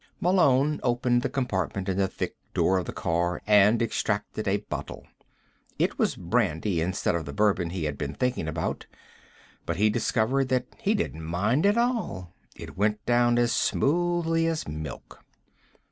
Malone opened the compartment in the thick door of the car and extracted a bottle. It was brandy instead of the bourbon he had been thinking about, but he discovered that he didn't mind at all. It went down as smoothly as milk.